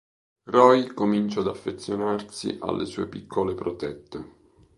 Roy comincia ad affezionarsi alle sue piccole protette.